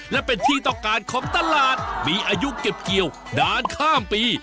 และเป็นที่ต้องการของตลาดมีอายุเก็บเกี่ยวนานข้ามปี